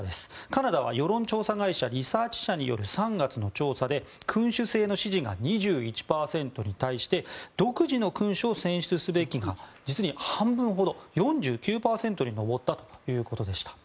カナダは世論調査会社リサーチ社による３月の調査で君主制の支持が２１％に対して独自の君主を選出すべきが実に半分ほど、４９％に上ったということでした。